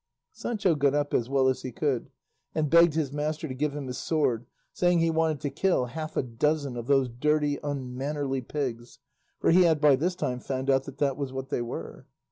Sancho got up as well as he could and begged his master to give him his sword, saying he wanted to kill half a dozen of those dirty unmannerly pigs, for he had by this time found out that that was what they were.